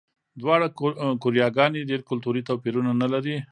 دواړه کوریاګانې ډېر کلتوري توپیرونه نه لري.